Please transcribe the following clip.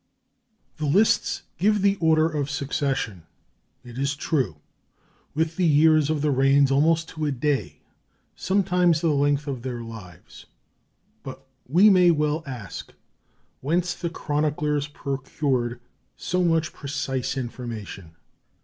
The lists give the order of succession, it is true, with the years of their reigns almost to a day, sometimes the length of their lives, but we may well ask whence the chroniclers procured so much precise information.